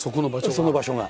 その場所が。